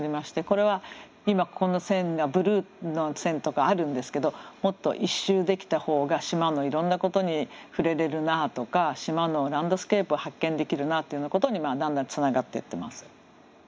これは今この線がブルーの線とかあるんですけどもっと１周できた方が島のいろんなことに触れれるなとか島のランドスケープを発見できるなというようなことにだんだんつながってってます。